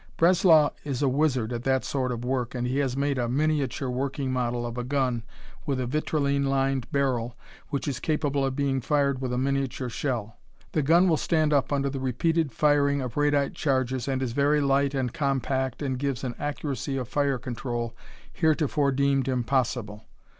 Breslau is a wizard at that sort of work and he has made a miniature working model of a gun with a vitrilene lined barrel which is capable of being fired with a miniature shell. The gun will stand up under the repeated firing of radite charges and is very light and compact and gives an accuracy of fire control heretofore deemed impossible.